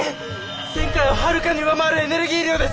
前回をはるかに上回るエネルギー量です！